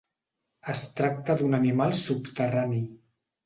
Es tracta d'un animal subterrani.